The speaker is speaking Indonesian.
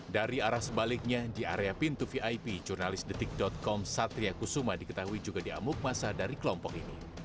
dari arah sebaliknya di area pintu vip jurnalis detik com satria kusuma diketahui juga diamuk masa dari kelompok ini